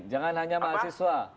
jangan hanya mahasiswa